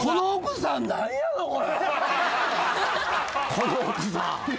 この奥さん。